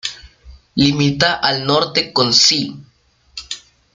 Limita al norte con Cee.